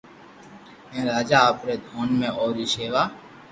ھين راجا آپري دوھن ۾ اوري ݾيوا